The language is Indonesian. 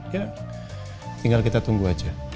ya tinggal kita tunggu aja